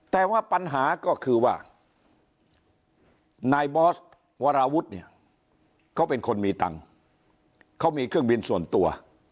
แต่ว่าปัญหาก็คือว่านายบอสวราวุฒิเนี่ยเขาเป็นคนมีตังค์เขามีเครื่องบินส่วนตัว